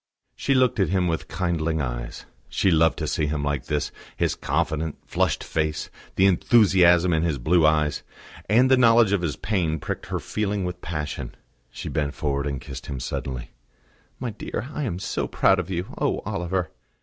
She looked at him with kindling eyes. She loved to see him like this, his confident, flushed face, the enthusiasm in his blue eyes; and the knowledge of his pain pricked her feeling with passion. She bent forward and kissed him suddenly. "My dear, I am so proud of you. Oh, Oliver!"